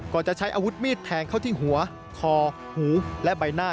จะใช้อาวุธมีดแทงเข้าที่หัวคอหูและใบหน้า